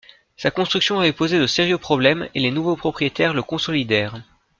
Sa construction avait posé de sérieux problèmes et les nouveaux propriétaires le consolidèrent.